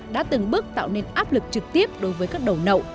đã từng bước tạo nên áp lực trực tiếp đối với các đầu nậu